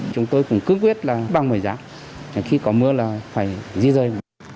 chúng tôi cũng cướp quyết bằng mời giá khi có mưa là phải di rơi